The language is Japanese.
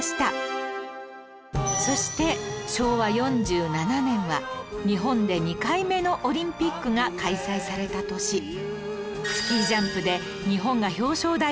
そして昭和４７年は日本で２回目のオリンピックが開催された年スキージャンプで日本が表彰台を独占